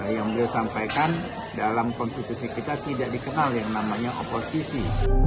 yang beliau sampaikan dalam konstitusi kita tidak dikenal yang namanya oposisi